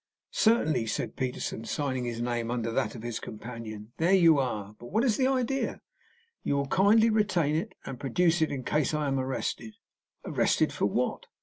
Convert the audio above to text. "Certainly," said Peterson, signing his name under that of his companion. "There you are! But what is the idea?" "You will kindly retain it, and produce it in case I am arrested." "Arrested? For what?"